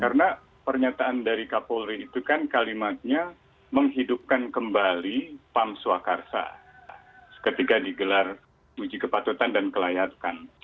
karena pernyataan dari kapolri itu kan kalimatnya menghidupkan kembali pam swakarsa ketika digelar uji kepatutan dan kelayakan